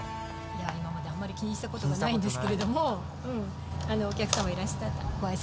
今まであんまり気にした事がないんですけれどもお客様いらしたらご挨拶。